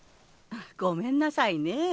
あっごめんなさいねぇ。